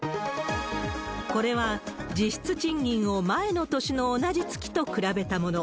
これは、実質賃金を前の年の同じ月と比べたもの。